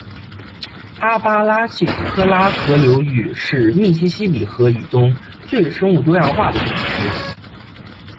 阿巴拉契科拉河流域是密西西比河以东最生物多样化的地区